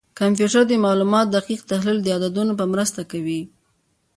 کمپیوټر د معلوماتو دقیق تحلیل د عددونو په مرسته کوي.